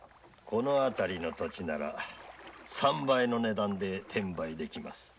この辺りの土地なら三倍の値段で転売出来ます。